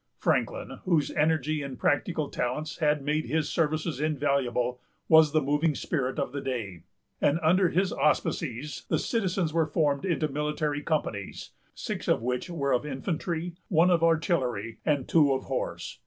Franklin, whose energy and practical talents made his services invaluable, was the moving spirit of the day; and under his auspices the citizens were formed into military companies, six of which were of infantry, one of artillery, and two of horse.